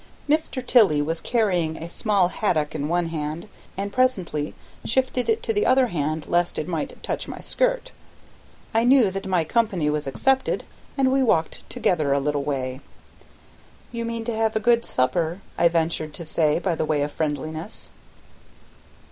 Mr. Tilley was carrying a small haddock in one hand, and presently shifted it to the other hand lest it might touch my skirt. I knew that my company was accepted, and we walked together a little way. "You mean to have a good supper," I ventured to say, by way of friendliness.